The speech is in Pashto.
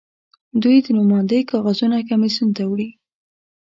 دوی د نوماندۍ کاغذونه کمېسیون ته وړي.